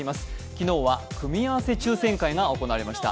昨日は、組み合わせ抽選会が行われました。